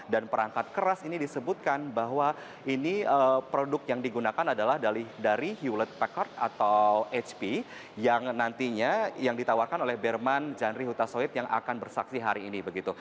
dan perangkat keras ini disebutkan bahwa ini produk yang digunakan adalah dari hewlett packard atau hp yang nantinya yang ditawarkan oleh berman janri huta soed yang akan bersaksi hari ini